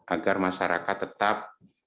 agar masyarakat tetap